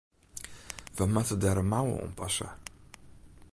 We moatte der mar in mouwe oan passe.